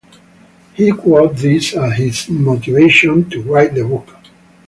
He quote this as his motivation to write the book.